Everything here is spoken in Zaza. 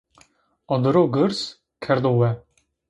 Adiro girs kerdo we